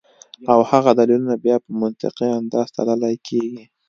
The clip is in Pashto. او هغه دليلونه بیا پۀ منطقي انداز تللے کيږي